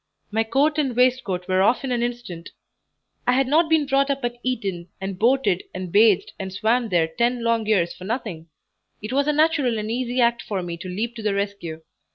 My coat and waistcoat were off in an instant; I had not been brought up at Eton and boated and bathed and swam there ten long years for nothing; it was a natural and easy act for me to leap to the rescue.